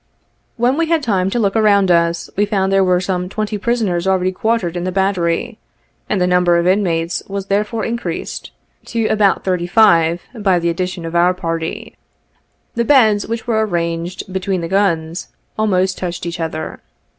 When we had time to look around us, we found there were some twenty prisoners already quartered in the bat tery, and the number of inmates was therefore increased to about thirty five by the addition of our party. The beds, which were arranged between the guns, almost touched each other.